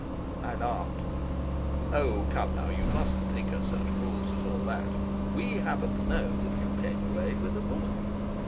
I laughed. "Oh, come now; you mustn't think us such fools as all that. We happen to know that you came away with a woman."